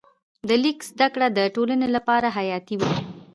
د لیک زده کړه د ټولنې لپاره حیاتي وه.